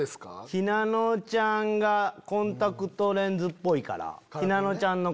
ひなのちゃんがコンタクトレンズっぽいからひなのちゃんの。